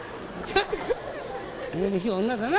めめしい女だな